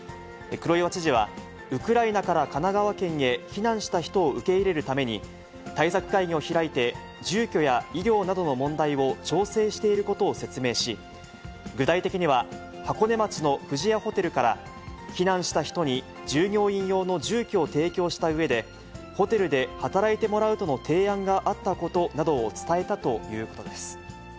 黒岩知事は、ウクライナから神奈川県へ避難した人を受け入れるために、対策会議を開いて、住居や医療などの問題を調整していることを説明し、具体的には、箱根町の富士屋ホテルから避難した人に従業員用の住居を提供したうえで、ホテルで働いてもらうとの提案があったことなどを伝えたということです。